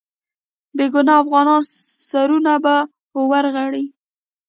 بې ګناه افغانانو سرونه به ورغړي.